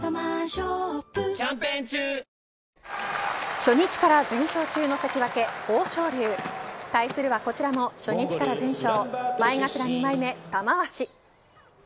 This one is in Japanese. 初日から全勝中の関脇、豊昇龍対するはこちらも初日から全勝前頭二枚目、玉鷲。